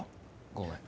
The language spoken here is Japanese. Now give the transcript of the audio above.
ごめん。